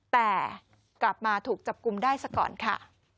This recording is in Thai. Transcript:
แต่กลับมาถูกจับกลุ่มได้ซะก่อนค่ะ